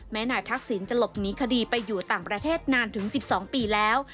นายทักษิณจะหลบหนีคดีไปอยู่ต่างประเทศนานถึง๑๒ปีแล้ว